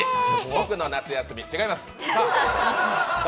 僕の夏休み、違います。